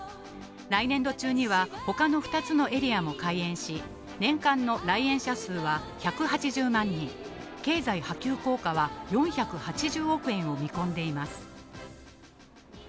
来年度中にはほかの２つのエリアも開園し、年間の来園者数は１８０万人、経済波及効果は４８０億円を見込んでいます。